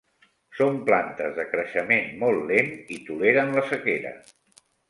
Són plantes de creixement molt lent i toleren la sequera.